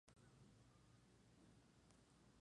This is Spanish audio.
Fue su primera aparición en un Grand Slam.